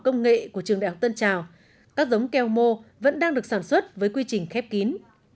công nghệ của trường đại học tân trào các giống keo mô vẫn đang được sản xuất với quy trình khép kín